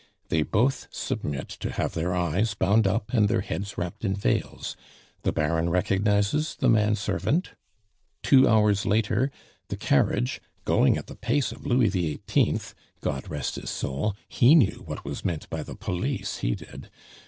They both submit to have their eyes bound up and their heads wrapped in veils; the Baron recognizes the man servant. "Two hours later, the carriage, going at the pace of Louis XVIII. God rest his soul! He knew what was meant by the police, he did!